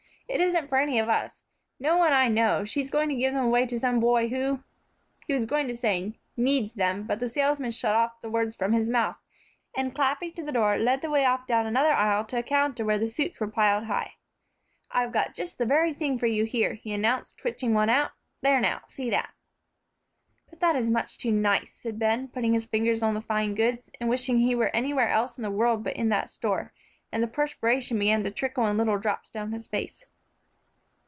"It isn't for any of us, no one I know; she's going to give them away to some boy who " he was going to say "needs them," but the salesman shut off the words from his mouth, and, clapping to the door, led the way off down another aisle to a counter where the suits were piled high; "I've got just the very thing for you here," he announced, twitching one out; "there, now, see that." "But that is much too nice," said Ben, putting his finger on the fine goods, and wishing he were anywhere else in the world but in that store, and the perspiration began to trickle in little drops down his face.